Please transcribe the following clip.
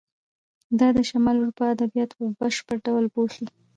دا د شمالي اروپا ادبیات په بشپړ ډول پوښي.